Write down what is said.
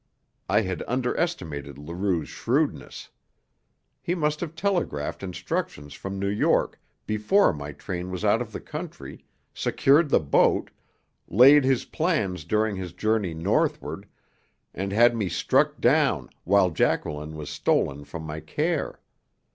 I had underestimated Leroux's shrewdness. He must have telegraphed instructions from New York before my train was out of the county, secured the boat, laid his plans during his journey northward, and had me struck down while Jacqueline was stolen from my care.